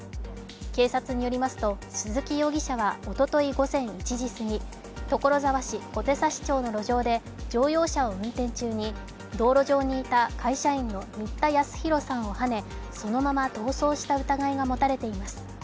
警察に寄りますと鈴木容疑者はおととい、午前１時すぎ、所沢市小手指町の路上で乗用車を運転中に道路上にいた会社員の新田恭弘さんをはねそのまま逃走した疑いが持たれています。